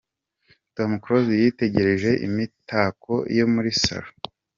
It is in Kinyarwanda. Tom Close yitegereza imitako yo muri Salon.